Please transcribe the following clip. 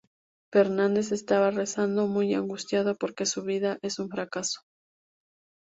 Fernández estaba rezando muy angustiada porque su vida es un fracaso.